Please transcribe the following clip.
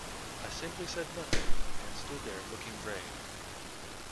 I simply said nothing, and stood there looking brave.